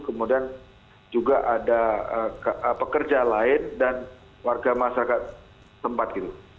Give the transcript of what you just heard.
kemudian juga ada pekerja lain dan warga masyarakat tempat gitu